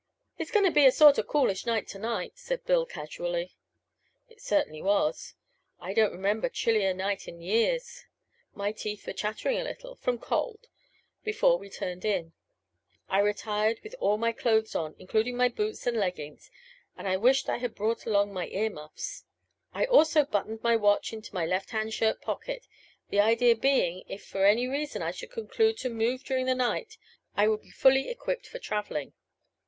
"It's going to be sort of coolish to night," said Bill casually. It certainly was. I don't remember a chillier night in years. My teeth were chattering a little from cold before we turned in. I retired with all my clothes on, including my boots and leggings, and I wished I had brought along my ear muffs. I also buttoned my watch into my lefthand shirt pocket, the idea being if for any reason I should conclude to move during the night I would be fully equipped for traveling.